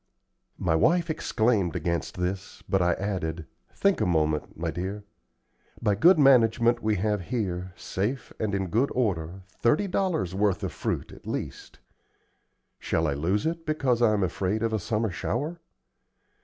My wife exclaimed against this, but I added: "Think a moment, my dear. By good management we have here, safe and in good order, thirty dollars' worth of fruit, at least. Shall I lose it because I am afraid of a summer shower?